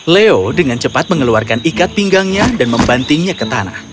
leo dengan cepat mengeluarkan ikat pinggangnya dan membantingnya ke tanah